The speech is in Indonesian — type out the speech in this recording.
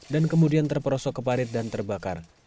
dan kemudian terperosok ke parit dan terbakar